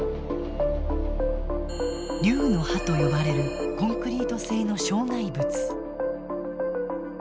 竜の歯と呼ばれるコンクリート製の障害物。